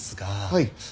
はい。